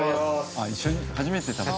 あっ一緒に初めて食べる。